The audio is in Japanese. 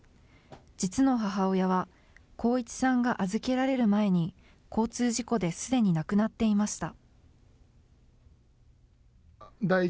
実の母親は航一さんが預けられる前に、交通事故ですでに亡くなっていました。